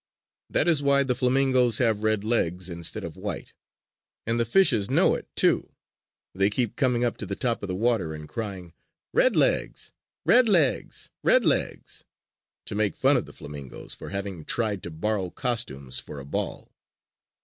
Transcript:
That is why the flamingoes have red legs instead of white. And the fishes know it too. They keep coming up to the top of the water and crying "Red legs! Red legs! Red legs!" to make fun of the flamingoes for having tried to borrow costumes for a ball.